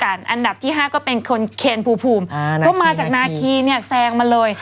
อันดับที่๕ก็เป็นเคนทร์ภูมิแล้วมาก็จากนะฮิเนียแซงมาเลย